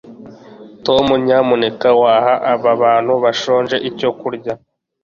tom, nyamuneka waha aba bantu bashonje icyo kurya